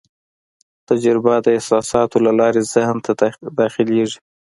تجربه د احساساتو له لارې ذهن ته داخلېږي.